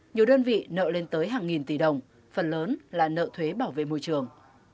nhiều đơn vị nợ lên tới hàng nghìn tỷ đồng phần lớn là nợ thuế bảo vệ môi trường